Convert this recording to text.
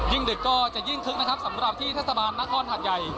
ดึกก็จะยิ่งคึกนะครับสำหรับที่เทศบาลนครหาดใหญ่